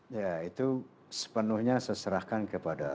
ya itu sepenuhnya seserahkan kepadanya